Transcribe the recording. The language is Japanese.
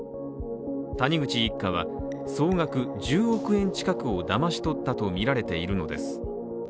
谷口一家は、総額１０億円近くをだまし取ったとみられているのです。